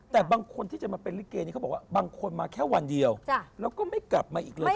แต่บางคนที่จะมาเป็นลิเกนี้เขาบอกว่าบางคนมาแค่วันเดียวแล้วก็ไม่กลับมาอีกเลย